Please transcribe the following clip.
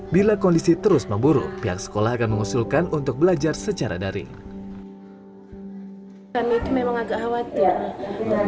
bila kondisi terus memburuk pihak sekolah akan mengusulkan untuk belajar secara daring